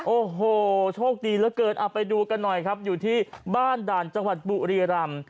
โอ้โหโชคดีเหลือเกินเอาไปดูกันหน่อยครับอยู่ที่บ้านด่านจังหวัดบุรีรำ